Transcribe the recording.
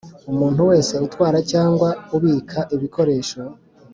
Umuntu wese utwara cyangwa ubika ibikoresho